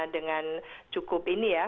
dengan cukup ini ya